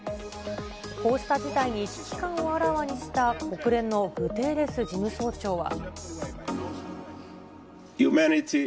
こうした事態に危機感をあらわにした国連のグテーレス事務総長は。